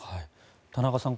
田中さん